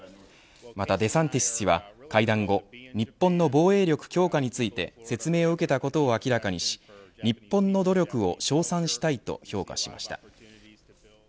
またデサンティス氏は会談後、日本の防衛力強化について説明を受けたことを明らかにし日本の努力を称賛したいと評価しました。